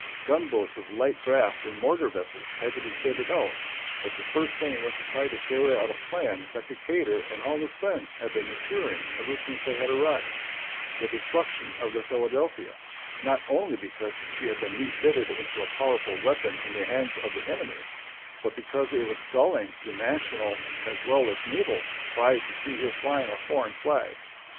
Gunboats of light draft and mortar vessels had to be fitted out; but the first thing was to try to carry out a plan that Decatur and all his friends had been maturing ever since they had arrived—the destruction of the Philadelphia, not only because she had been refitted into a powerful weapon in the hands of the enemy, but because it was galling to national as well as naval pride to see her flying a foreign flag.